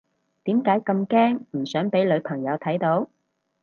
點解咁驚唔想俾女朋友睇到？